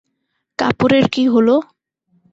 কাপড়ের কী হল?